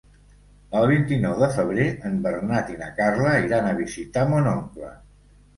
El vint-i-nou de febrer en Bernat i na Carla iran a visitar mon oncle.